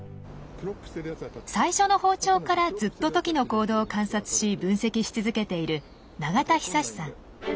最初の放鳥からずっとトキの行動を観察し分析し続けている永田尚志さん。